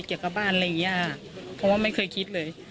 เกี่ยวกับบ้านอะไรอย่างนี้ค่ะเพราะว่าไม่เคยคิดเลย